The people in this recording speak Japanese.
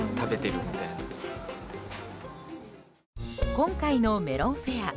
今回のメロンフェア